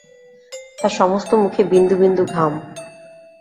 তাঁর সমস্ত মুখে বিন্দু-বিন্দু ঘাম।